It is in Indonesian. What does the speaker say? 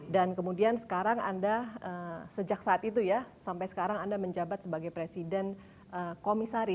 dan kemudian sekarang anda sejak saat itu ya sampai sekarang anda menjabat sebagai presiden komisari